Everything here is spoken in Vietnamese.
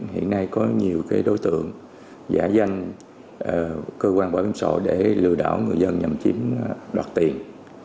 hiện nay có nhiều đối tượng giả danh cơ quan bảo hiểm xã hội để lừa đảo người dân nhằm chiếm đoạt tiền